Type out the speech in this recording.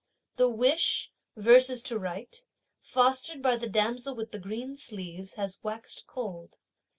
The wish, verses to write, fostered by the damsel with the green sleeves, has waxéd cold.